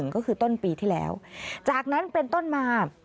ก็คือต้นปีที่แล้วจากนั้นเป็นต้นมา